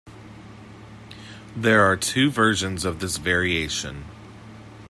There are two versions of this variation.